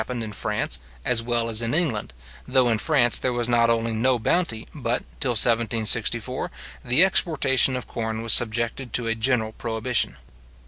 It has happened in France, as well as in England, though in France there was not only no bounty, but, till 1764, the exportation of corn was subjected to a general prohibition.